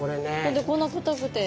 こんなかたくて。